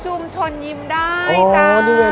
ชมชนยิ้มได้ค่ะโอ้นี่ไง